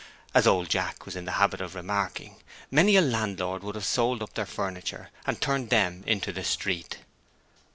As old Jack was in the habit of remarking, many a landlord would have sold up their furniture and turned them into the street.